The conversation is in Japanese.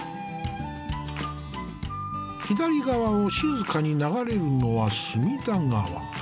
左側を静かに流れるのは隅田川。